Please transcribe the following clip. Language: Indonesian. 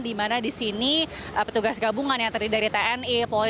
di mana di sini petugas gabungan yang terdiri dari tni polri